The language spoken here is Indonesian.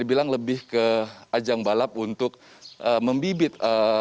dibilang lebih ke ajang balap untuk membibit